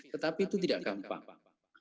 tetapi itu tidak gampang